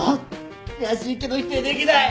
悔しいけど否定できない。